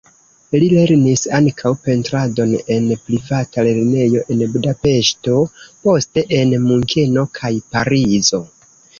Li lernis ankaŭ pentradon en privata lernejo en Budapeŝto, poste en Munkeno kaj Parizo.